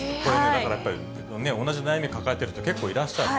だからやっぱり、同じ悩みを抱えてる人、結構いらっしゃる。